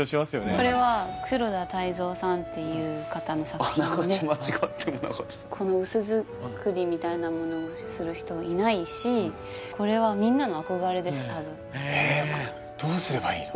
これは黒田泰蔵さんっていう方の作品であながち間違ってもなかったこの薄づくりみたいなものをする人いないしこれはみんなの憧れです多分どうすればいいの？